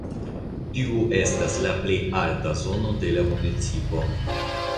Tiu estas la plej alta zono de la municipo.